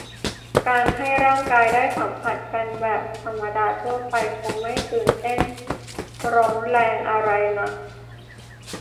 การให้ร่างกายได้สัมผัสกันแบบธรรมดาทั่วไปคงไม่ตื่นเต้นร้อนแรงอะไรนัก